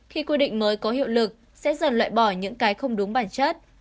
thì mới có hiệu lực sẽ dần lợi bỏ những cái không đúng bản chất